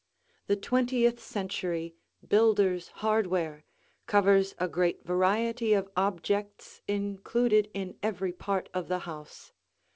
The twentieth century "builders' hardware" covers a great variety of objects included in every part of the house.